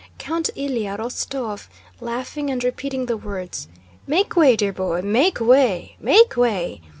Count Ilyá Rostóv, laughing and repeating the words, "Make way, dear boy! Make way, make way!"